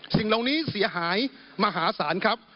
สิ่งเหล่านี้เสียหายมหาศาลครับ